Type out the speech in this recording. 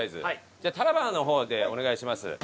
じゃタラバの方でお願いします。